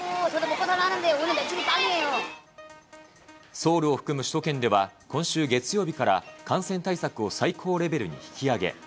ソウルを含む首都圏では、今週月曜日から、感染対策を最高レベルに引き上げ。